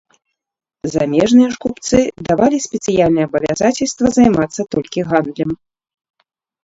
Замежныя ж купцы давалі спецыяльнае абавязацельства займацца толькі гандлем.